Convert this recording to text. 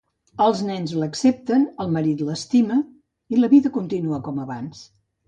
Els nens l'accepten, el marit l'estima, i la vida continua com abans.